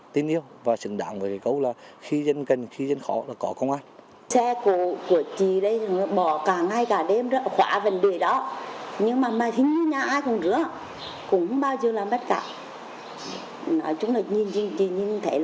tin yêu và xứng đáng với cái câu là khi dân cần khi dân khó là có công an